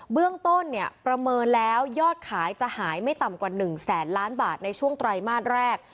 เบื้องต้นเนี่ยประเมินแล้วยอดขายจะหายไม่ต่ำกว่า๑แสนล้านบาทในช่วงไตรมาสแรก